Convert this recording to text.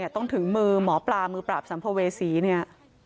ต้องถึงมือหมอปลามือปราบสัมภเวษีเนี่ย